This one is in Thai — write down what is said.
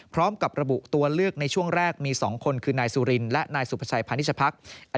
พร้อมกับระบุตัวเลือกในช่วงแรกมี๒คนคือนายสุรินและนายสุภาชัยพาณิชพัก